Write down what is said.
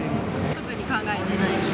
特に考えてないです。